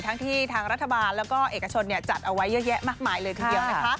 ทั้งที่ทางรัฐบาลแล้วก็เอกชนจัดเอาไว้เยอะแยะมากมายเลยทีเดียวนะคะ